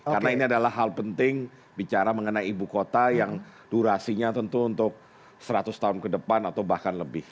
karena ini adalah hal penting bicara mengenai ibu kota yang durasinya tentu untuk seratus tahun ke depan atau bahkan lebih